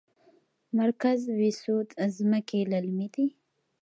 مرکز بهسود ځمکې للمي دي؟